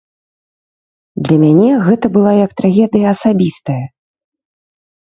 Для мяне гэта была як трагедыя асабістая.